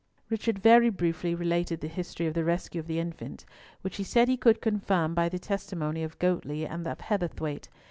Richard very briefly related the history of the rescue of the infant, which he said he could confirm by the testimony of Goatley and of Heatherthwayte.